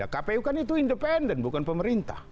kpu kan itu independen bukan pemerintah